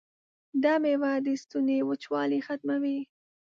دا میوه د ستوني وچوالی ختموي.